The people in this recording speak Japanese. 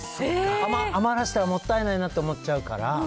余らしたらもったいないなと思っちゃうから。